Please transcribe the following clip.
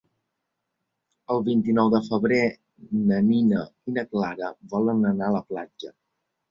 El vint-i-nou de febrer na Nina i na Clara volen anar a la platja.